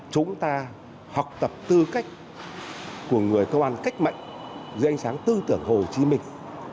chúng ta học tập tư cách của người công an cách mạng dưới ánh sáng tư tưởng hồ chí minh